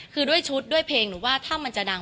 คือด้วยชุดด้วยเพลงหนูว่าถ้ามันจะดัง